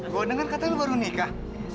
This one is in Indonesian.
gue denger katanya lu baru nikah